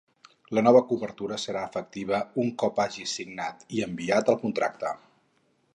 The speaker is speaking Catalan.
La nova cobertura serà efectiva un cop hagi signat i enviat el contracte.